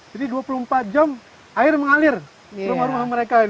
jadi dua puluh empat jam air mengalir ke rumah rumah mereka